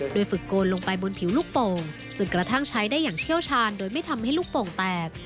โดยฝึกโกนลงไปบนผิวลูกโป่งจนกระทั่งใช้ได้อย่างเชี่ยวชาญโดยไม่ทำให้ลูกโป่งแตก